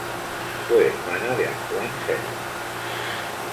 Fue hermana de Antoine Fel.